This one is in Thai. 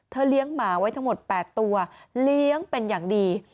เลี้ยงหมาไว้ทั้งหมด๘ตัวเลี้ยงเป็นอย่างดี